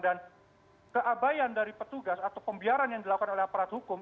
dan keabayan dari petugas atau pembiaran yang dilakukan oleh aparat hukum